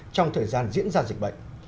trong thời gian diễn ra dịch bệnh